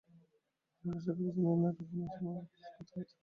কারণ, বেসরকারি চ্যানেলের নাটক বা অনুষ্ঠান মানুষকে আকৃষ্ট করতে পারছে না।